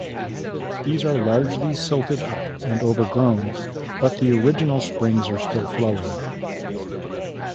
These are largely silted up and overgrown, but the original springs are still flowing.